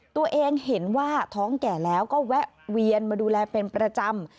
ตัวเองเห็นว่าท้องแก่แล้วก็แวะเวียนมาดูแลเป็นประจำ